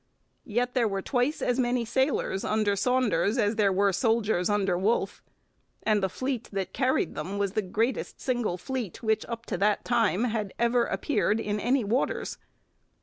Yet there were twice as many sailors under Saunders as there were soldiers under Wolfe, and the fleet that carried them was the greatest single fleet which, up to that time, had ever appeared in any waters.